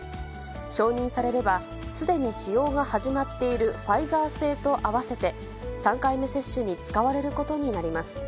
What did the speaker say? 承認されれば、すでに使用が始まっているファイザー製と合わせて、３回目接種に使われることになります。